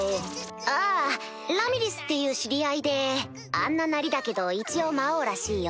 ああラミリスっていう知り合いであんなナリだけど一応魔王らしいよ。